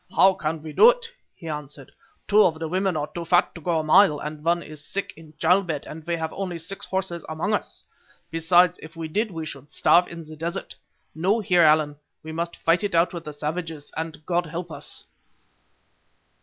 "How can we do it?" he answered; "two of the women are too fat to go a mile, one is sick in childbed, and we have only six horses among us. Besides, if we did we should starve in the desert. No, Heer Allan, we must fight it out with the savages, and God help us!"